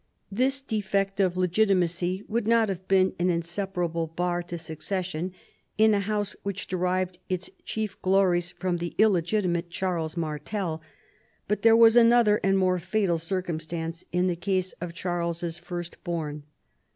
This defect of legitimacy would not have been an insuperable bar to succession in a house which derived its chief glo ries from the illegitimate Charles Martel ; but there was another and more fatal circumstance in the case of Charles's firstborn.